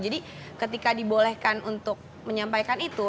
jadi ketika dibolehkan untuk menyampaikan itu